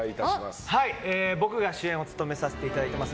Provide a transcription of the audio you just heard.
僕が主演を務めさせていただいています